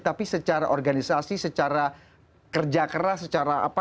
tapi secara organisasi secara kerja keras secara apa